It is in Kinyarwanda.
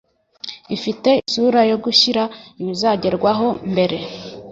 ifite isura yo gushyira ibizagerwaho mbere